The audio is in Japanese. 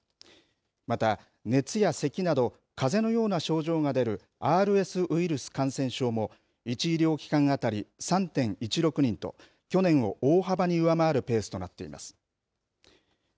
また、熱やせきなど、かぜのような症状が出るＲＳウイルス感染症も、１医療機関当たり３．１６人と、去年を大幅に上回るペースとなっています。